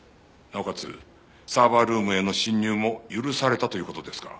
サーバールームへの侵入も許されたという事ですか？